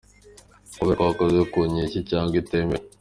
Kubera ko ihozwa ku nkeke cyangwa itemewe ?